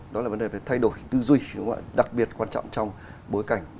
đó là vấn đề về thay đổi tư duy đặc biệt quan trọng trong bối cảnh